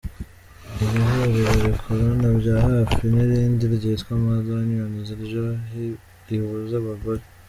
Iri huriro rikorana bya hafi n’irindi ryitwa Mother’s Union ryo rihuza abagore.